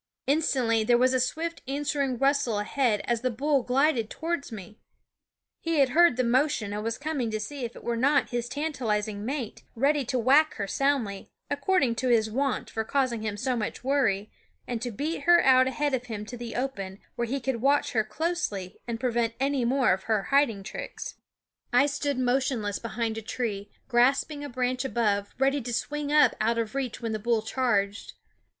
Instantly there was a swift answering rustle ahead as the bull glided towards me. THE WOODS ^ He had heard the motion and was coming to see if it were not his tantalizing mate, ready to whack her soundly, according to his wont, for causing him so much worry, and to /If ffie Sound of beat her out ahead of him to the open, where 3ne Cfirumpef he could watch her closely and prevent any more of her hiding tricks. I stood motionless behind a tree, grasp ing a branch above, ready to swing up out of reach when the bull charged.